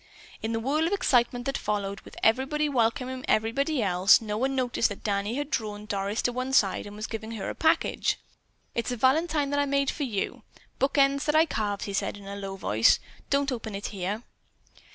In the whirl of excitement that followed, with everybody welcoming everybody else, no one noticed that Danny had drawn Doris to one side and was giving her a package. "It's a valentine that I made for you. Book ends that I carved," he said in a low voice. "Don't open it here."